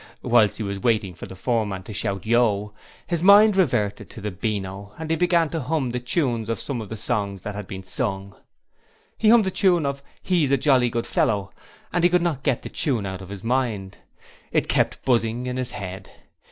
Whilst he was waiting for the foreman to shout 'Yo! Ho!' his mind reverted to the Beano, and he began to hum the tunes of some of the songs that had been sung. He hummed the tune of 'He's a jolly good fellow', and he could not get the tune out of his mind: it kept buzzing in his head.